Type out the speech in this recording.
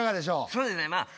そうですね。